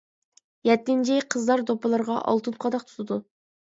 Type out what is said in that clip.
يەتتىنچى، قىزلار دوپپىلىرىغا ئالتۇن قاداق تۇتىدۇ.